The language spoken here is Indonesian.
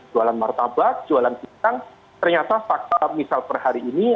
jualan martabak jualan pisang ternyata fakta misal per hari ini